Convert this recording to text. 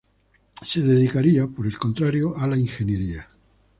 Se dedicaría, por el contrario, a la ingeniería.